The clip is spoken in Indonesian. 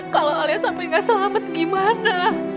kalau alias sampai gak selamat gimana